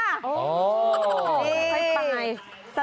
อ๋อไฟไฟ